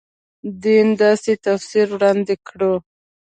دین داسې تفسیر وړاندې کړو.